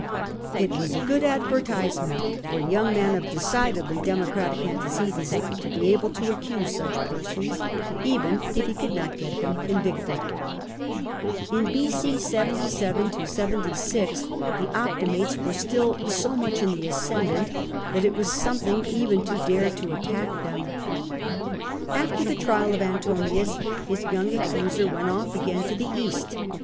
It was a good advortiBament for a young man of decidedly Democratic antecedents to be able to accuse such persons, even if he could not get them convicted. In B.o. 77 76 the Optiniatea were still so much in the ascendant that it was something even to dare to attack them. OtESAE 296 After the trial of Antonius, liis yoiuig acenser went off again to tlie East.